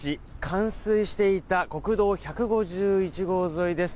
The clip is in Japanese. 冠水していた国道１５１号沿いです。